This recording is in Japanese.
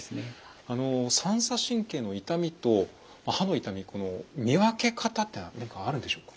あの三叉神経の痛みと歯の痛みの見分け方というのは何かあるんでしょうか？